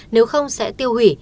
nếu không sẽ tiêu hủy